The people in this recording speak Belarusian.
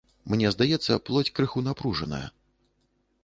Мне здаецца, плоць крыху напружаная.